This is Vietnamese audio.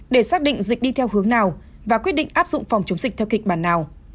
để xác định dịch đi theo hướng nào và quyết định áp dụng phòng chống dịch theo kịch bản nào